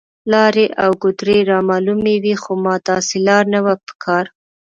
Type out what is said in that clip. لارې او ګودرې رامعلومې وې، خو ما داسې لار نه وه په کار.